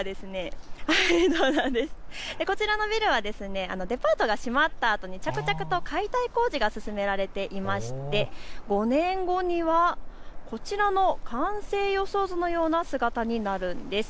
こちらのビルはデパートが閉まったあとに着々と解体工事が進められていて５年後にはこちらの完成予想図のような姿になるんです。